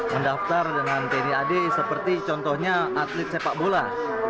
mendaftar dengan tni ad seperti contohnya atlet sepak bola